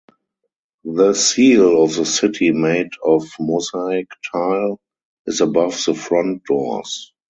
The seal of the city made of mosaic tile is above the front doors.